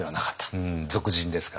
俗人ですからね。